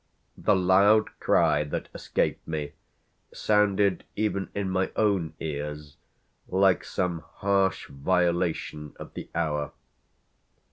The loud cry that escaped me sounded even in my own ears like some harsh violation of the hour.